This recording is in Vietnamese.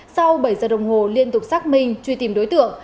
sau bảy giờ đồng hồ liên tục xác minh truy tìm đối tượng